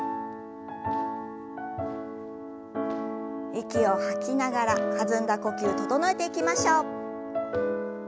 息を吐きながら弾んだ呼吸整えていきましょう。